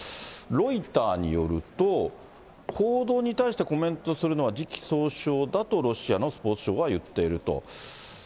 ロイターによると、報道に対してコメントするのは時期尚早だとロシアのスポーツ省はいっていると。